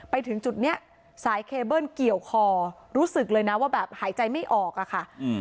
ไปถึงจุดนี้สายเคเบิ้ลเกี่ยวคอรู้สึกเลยนะว่าแบบหายใจไม่ออกอะค่ะ